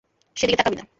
সেদিকে তাকাবি না।